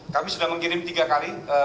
kami sudah mengirim tiga kali